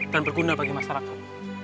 dan berguna bagi masyarakat